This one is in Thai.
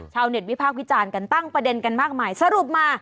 ชาวเน็ตวิพากษ์วิจารณ์กันตั้งประเด็นกันมากมายสรุปมา